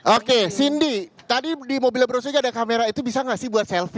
oke cindy tadi di mobilnya bro suki ada kamera itu bisa gak sih buat selfie